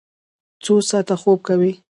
څو ساعته خوب کوئ؟